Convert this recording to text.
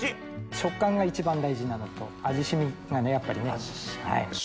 食感が一番大事なのと味染みがやっぱりね。